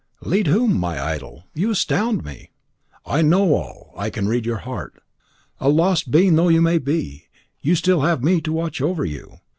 "Lead whom, my idol? You astound me." "I know all. I can read your heart. A lost being though you be, you have still me to watch over you.